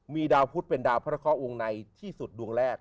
มีดาวพุทธเป็นดาวพระเคาะวงในที่สุดดวงแรก